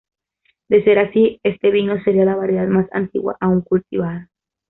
De ser así, este vino sería la variedad más antigua aún cultivada.